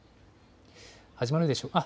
始まるでしょうか。